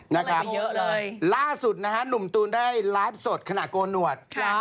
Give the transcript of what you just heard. มีอะไรเยอะเลยล่าสุดหนุ่มตูนได้ไลฟ์สดขณะโกนหนวด